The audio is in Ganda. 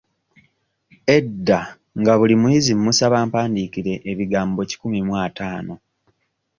Edda nga buli muyizi mmusaba ampandiikire ebigambo kikumi mu ataano.